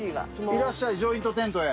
いらっしゃいジョイントテントへ。